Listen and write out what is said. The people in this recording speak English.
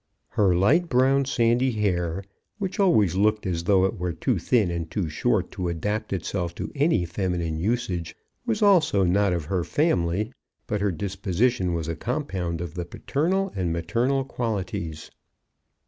Her light brown, sandy hair, which always looked as though it were too thin and too short to adapt itself to any feminine usage, was also not of her family; but her disposition was a compound of the paternal and maternal qualities.